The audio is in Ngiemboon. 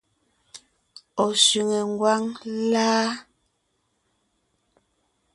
Ɔ̀ sẅiŋe ngwáŋ láa?